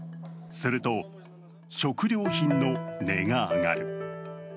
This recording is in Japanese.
すると、食料品の値が上がる。